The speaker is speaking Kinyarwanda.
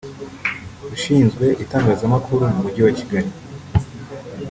Ushinzwe Itangazamakuru mu Mujyi wa Kigali